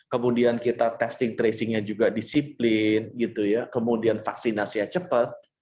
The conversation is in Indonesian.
kemudian kita testing tracing nya juga disiplin kemudian vaksinasi nya cepat